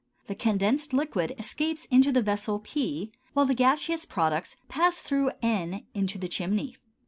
The condensed liquid escapes into the vessel p, while the gaseous products pass through n into the chimney.